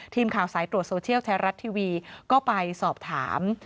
ทีมข่าวสายตรวจโซเชียลไทยรัฐทีวีก็ไปสอบถาม